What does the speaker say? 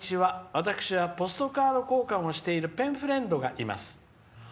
私はポストカード交換しているペンフレンドがいます」。